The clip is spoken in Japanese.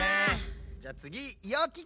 じゃあつぎよき子！